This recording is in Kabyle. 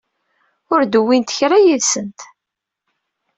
Ur d-wwint kra yid-sent.